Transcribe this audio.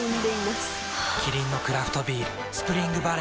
キリンのクラフトビール「スプリングバレー」